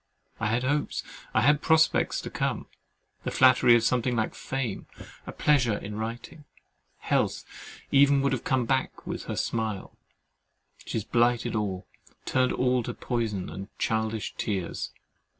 I had hopes, I had prospects to come, the flattery of something like fame, a pleasure in writing, health even would have come back with her smile—she has blighted all, turned all to poison and childish tears.